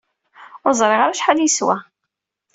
Ur ẓriɣ ara acḥal i yeswa.